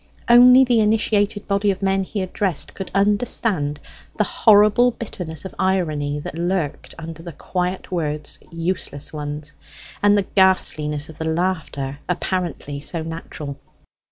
Only the initiated body of men he addressed could understand the horrible bitterness of irony that lurked under the quiet words 'useless ones,' and the ghastliness of the laughter apparently so natural.